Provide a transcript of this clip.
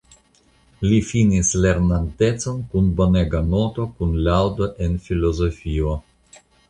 Li finis lernantecon kun bonega noto kun laŭdo en filozofio.